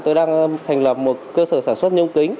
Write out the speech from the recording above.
tôi đang thành lập một cơ sở sản xuất nhôm kính